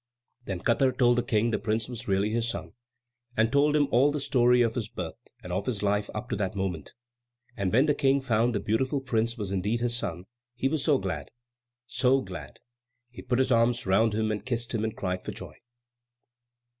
Then Katar told the King the prince was really his son, and told him all the story of his birth, and of his life up to that moment; and when the King found the beautiful prince was indeed his son, he was so glad, so glad. He put his arms round him and kissed him and cried for joy.